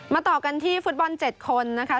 ต่อกันที่ฟุตบอล๗คนนะคะ